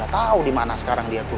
gak tau dimana sekarang dia tuh